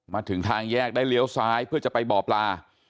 มาถึงทางแยกได้เลี้ยวซ้ายเพื่อจะไปบ่อปลา